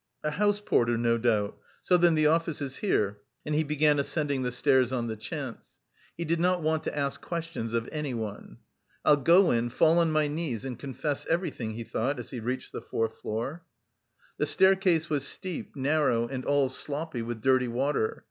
"A house porter, no doubt; so then, the office is here," and he began ascending the stairs on the chance. He did not want to ask questions of anyone. "I'll go in, fall on my knees, and confess everything..." he thought, as he reached the fourth floor. The staircase was steep, narrow and all sloppy with dirty water.